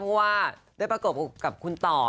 เพราะว่าได้ประกบกับคุณต่อ